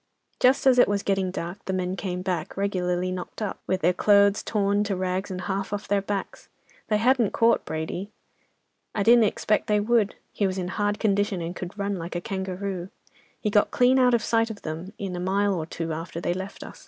Just as it was getting dark, the men came back, regularly knocked up, with their clothes torn to rags and half off their backs. They hadn't caught Brady. I didn't expect they would—he was in hard condition, and could run like a kangaroo. He got clean out of sight of them in a mile or two after they left us.